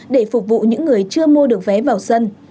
để phục vụ những người chưa mua được vé vào sân